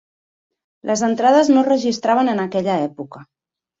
Les entrades no es registraven en aquella època.